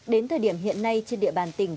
đến thời điểm hiện nay trên địa bàn tỉnh